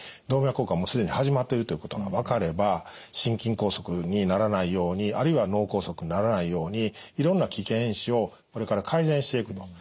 動脈硬化がもう既に始まっているということが分かれば心筋梗塞にならないようにあるいは脳梗塞にならないようにいろんな危険因子をこれから改善していくと。